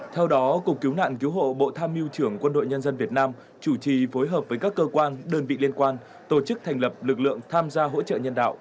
theo đó cục cứu nạn cứu hộ bộ tham mưu trưởng quân đội nhân dân việt nam chủ trì phối hợp với các cơ quan đơn vị liên quan tổ chức thành lập lực lượng tham gia hỗ trợ nhân đạo